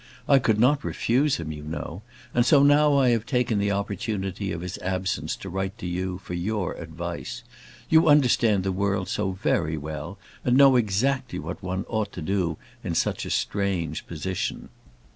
I could not refuse him, you know; and so now I have taken the opportunity of his absence to write to you for your advice. You understand the world so very well, and know so exactly what one ought to do in such a strange position!